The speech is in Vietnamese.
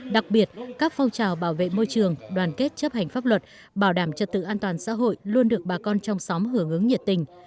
đặc biệt các phong trào bảo vệ môi trường đoàn kết chấp hành pháp luật bảo đảm trật tự an toàn xã hội luôn được bà con trong xóm hưởng ứng nhiệt tình